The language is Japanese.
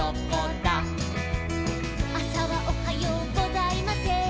「あさはおはようございません」